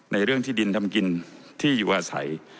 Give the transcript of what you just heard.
เรื่องที่ดินทำกินที่อยู่อาศัย